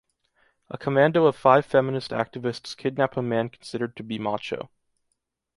A commando of five feminist activists kidnap a man considered to be macho.